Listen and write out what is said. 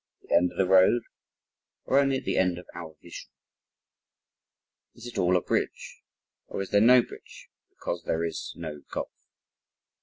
at the end of the road or only at the end of our vision? Is it all a bridge? or is there no bridge because there is no gulf?